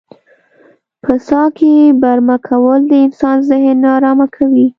په څاه کې برمه کول د انسان ذهن نا ارامه کوي.